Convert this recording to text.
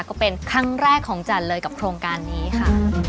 ก็เป็นครั้งแรกของจันเลยกับโครงการนี้ค่ะ